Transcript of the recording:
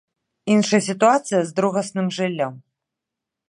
Іншая сітуацыя з другасным жыллём.